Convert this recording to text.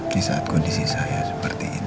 di saat kondisi saya seperti ini